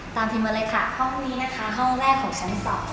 ทีมมาเลยค่ะห้องนี้นะคะห้องแรกของชั้น๒